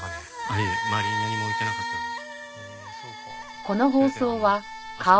いえ周りに何も置いてなかったので。